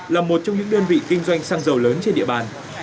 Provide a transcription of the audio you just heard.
là một trong những đơn vị kinh doanh xăng dầu lớn trên địa bàn